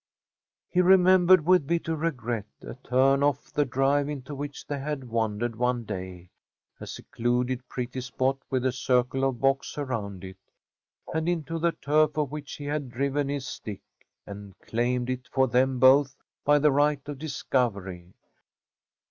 He remembered with bitter regret a turn off the drive into which they had wandered one day, a secluded, pretty spot with a circle of box around it, and into the turf of which he had driven his stick, and claimed it for them both by the right of discovery.